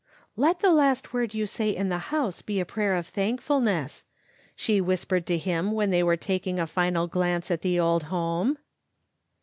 " Let the last word you say in the house be a prayer of thankfulness," she whispered to him when they were taking a final glance at the old home.